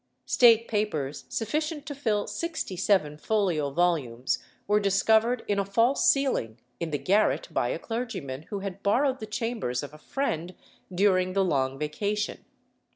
State papers sufficient to fill sixty seven folio volumes were discovered in a false ceiling in the garret by a clergyman who had borrowed the chambers of a friend during the long vacation.